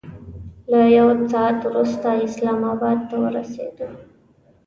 له یو ساعت وروسته اسلام اباد ته ورسېدو.